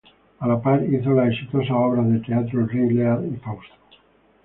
A la par hizo las exitosas obras de teatro "El rey Lear" y "Fausto".